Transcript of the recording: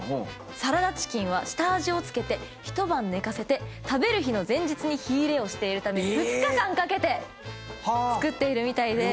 サラダチキンは下味を付けて一晩寝かせて食べる日の前日に火入れをしているため２日間かけて作っているみたいで。